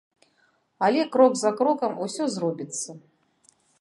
Але крок за крокам усё зробіцца.